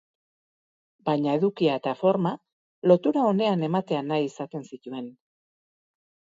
Baina edukia eta forma lotura onean ematea nahi izaten zituen.